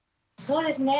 そうですね。